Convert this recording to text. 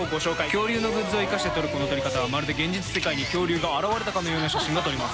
恐竜のグッズをいかして撮るこの撮り方はまるで現実世界に恐竜が現れたかのような写真が撮れます。